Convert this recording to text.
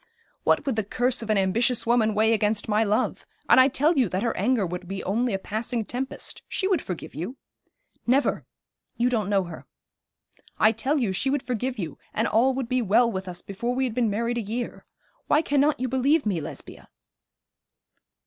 'What would the curse of an ambitious woman weigh against my love? And I tell you that her anger would be only a passing tempest. She would forgive you.' 'Never you don't know her.' 'I tell you she would forgive you, and all would be well with us before we had been married a year. Why cannot you believe me, Lesbia?'